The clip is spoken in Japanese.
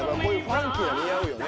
ファンキーが似合う。